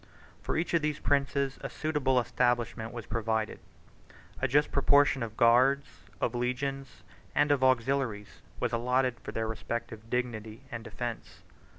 For each of these princes a suitable establishment was provided. A just proportion of guards, of legions, and of auxiliaries, was allotted for their respective dignity and defence.